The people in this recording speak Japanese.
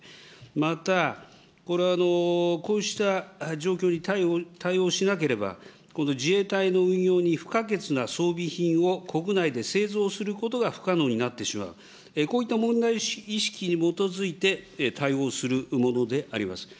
また、これ、こうした状況に対応しなければ、自衛隊の運用に不可欠な装備品を国内で製造することが不可能になってしまう、こういった問題意識に基づいて対応するものであります。